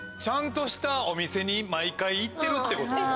ちゃんとしたお店に毎回行ってるってこと？